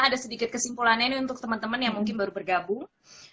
ada sedikit kesimpulannya nih untuk teman teman yang mungkin baru bergabung